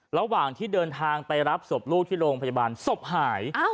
ระหว่างที่เดินทางไปรับศพลูกที่โรงพยาบาลศพหาย